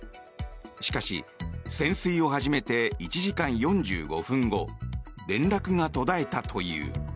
しかし潜水を始めて１時間４５分後連絡が途絶えたという。